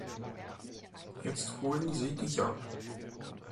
Jetzt holen sie dich ab.